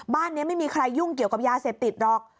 บ้านนี้ไม่มีใครยุ่งเกี่ยวกับยาเสพติดหรอก